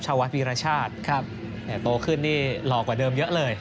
ชาววัฒน์วิรชาติครับเนี่ยโตขึ้นที่หลอกกว่าเดิมเยอะเลย